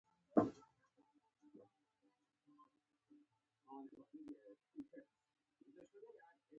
د ګچ پوډر او د بوسو سريښ د اړتیا وړ توکي دي.